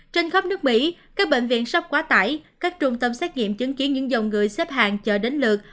trên khắp nước mỹ các bệnh viện sắp quá tải các trung tâm xét nghiệm chứng kiến những dòng người xếp hàng chờ đến lượt